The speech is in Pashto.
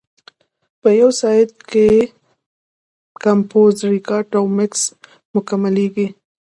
په یو ساعت کې کمپوز، ریکارډ او مکس مکملېږي.